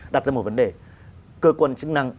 đặt ra một vấn đề cơ quan chức năng